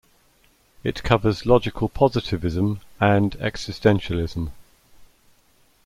It covers Logical positivism and Existentialism.